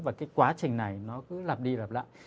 và cái quá trình này nó cứ lặp đi lặp lại